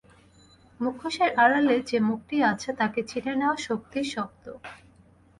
মুখোশের আড়ালে যে মুখটি আছে তাকে চিনে নেয়া সত্যিই শক্ত।